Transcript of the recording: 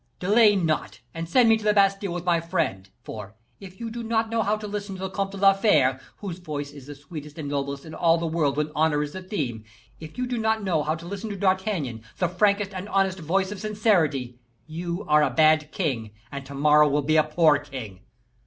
Delay not and send me to the Bastile with my friend; for, if you did not know how to listen to the Comte de la Fere, whose voice is the sweetest and noblest in all the world when honor is the theme; if you do not know how to listen to D'Artagnan, the frankest and honestest voice of sincerity, you are a bad king, and to morrow will be a poor king.